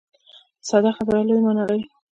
ساده خبره لویه معنا لري.